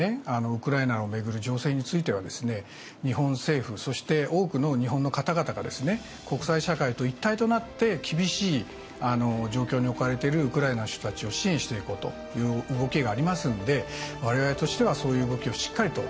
ウクライナを巡る情勢についてはですね日本政府そして多くの日本の方々がですね国際社会と一体となって厳しい状況に置かれてるウクライナの人たちを支援していこうという動きがありますので我々としてはそういう動きをしっかりと伝えていきたいと思っております。